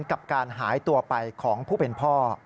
กับการหายตัวไปของผู้เป็นพ่อ